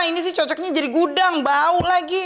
ini sih cocoknya jadi gudang bau lagi